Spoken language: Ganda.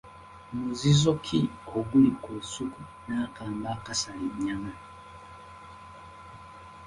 Muzizo ki oguli ku lusuku n’akambe akasala ennyama?